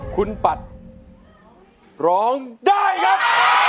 คุณปัดร้องได้ครับ